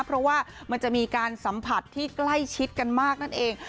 เพราะว่ามันจะมีการสัมผัสที่ใกล้ชิดกันมากนั่นเอง